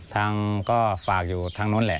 ทางก็ฝากอยู่ทางนู้นแหละ